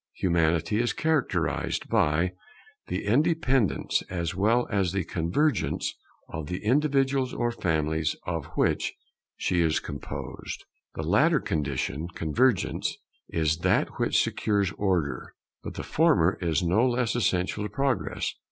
Humanity is characterized by the independence as well as by the convergence of the individuals or families of which she is composed. The latter condition, convergence, is that which secures Order; but the former is no less essential to Progress.